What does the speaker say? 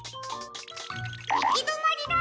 いきどまりだ！